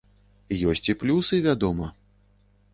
Ёсць і плюсы, вядома.